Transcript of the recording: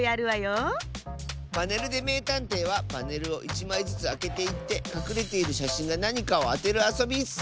「パネルでめいたんてい」はパネルを１まいずつあけていってかくれているしゃしんがなにかをあてるあそびッス！